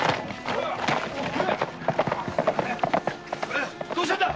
いどうしたんだ